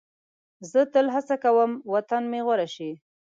زه تل هڅه کوم وطن مې غوره شي.